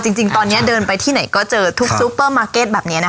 จริงตอนนี้เดินไปที่ไหนก็เจอทุกซูเปอร์มาร์เก็ตแบบนี้นะคะ